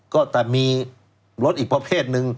ก็แต่มีรถอีกประเภทหนึ่ง